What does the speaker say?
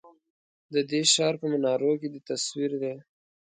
ددې ښار په منارو کی دی تصوير دی